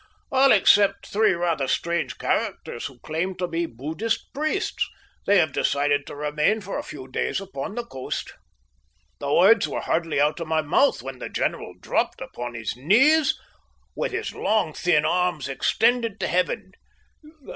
"All except three rather strange characters who claim to be Buddhist priests. They have decided to remain for a few days upon the coast." The words were hardly out of my mouth when the general dropped upon his knees with his long, thin arms extended to Heaven.